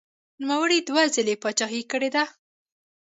نوموړي دوه ځلې پاچاهي کړې ده.